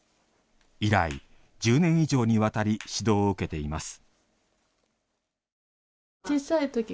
以来１０年以上にわたり指導を受けています。